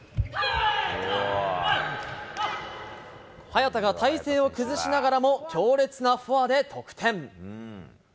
早田が体勢を崩しながらも、強烈なフォアで得点。